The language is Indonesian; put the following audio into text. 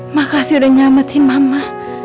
makasih udah nyametin mama